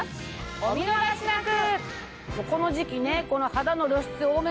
お見逃しなく！